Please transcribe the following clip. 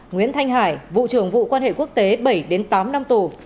nguyễn thanh hải vụ trưởng vụ quan hệ quốc tế bảy tám năm tù